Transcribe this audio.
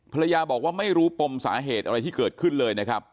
ภรรยาบอกว่าไม่รู้ปมสาเหตุอะไรที่เกิดขึ้นเลยนะครับ